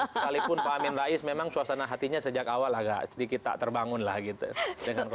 sekalipun pak amin rais memang suasana hatinya sejak awal agak sedikit tak terbangun lah gitu